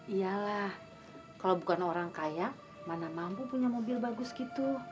iyalah kalau bukan orang kaya mana mampu punya mobil bagus gitu